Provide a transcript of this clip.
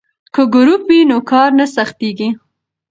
که ګروپ وي نو کار نه سختیږي.